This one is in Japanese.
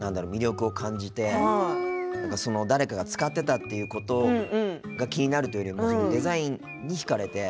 誰かが使ってたっていうことが気になるというよりもデザインに引かれて。